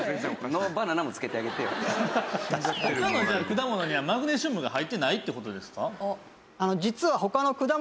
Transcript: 他の果物にはマグネシウムが入ってないって事ですか？